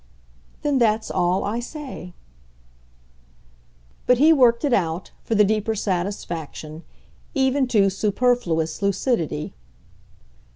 "Then that's all I say." But he worked it out, for the deeper satisfaction, even to superfluous lucidity.